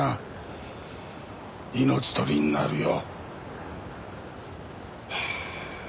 命取りになるよ。